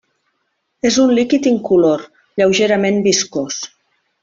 És un líquid incolor lleugerament viscós.